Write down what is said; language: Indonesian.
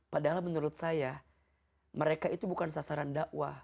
padahal menurut saya mereka itu bukan sasaran dakwah